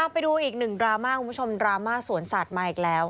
ไปดูอีกหนึ่งดราม่าคุณผู้ชมดราม่าสวนสัตว์มาอีกแล้ว